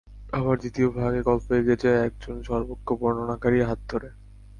আবার দ্বিতীয় ভাগে গল্প এগিয়ে যায় একজন সর্বজ্ঞ বর্ণনাকারীর হাত ধরে।